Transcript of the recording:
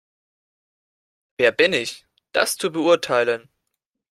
Wer bin ich, das zu beurteilen?